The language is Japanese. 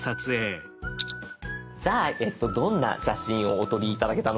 じゃあえっとどんな写真をお撮り頂けたのか。